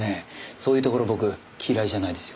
そういうところ僕嫌いじゃないですよ。